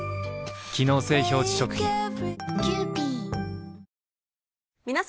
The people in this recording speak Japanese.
機能性表示食品皆様。